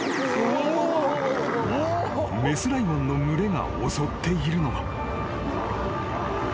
［雌ライオンの群れが襲っているのは］